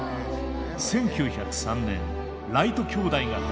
１９０３年ライト兄弟が発明。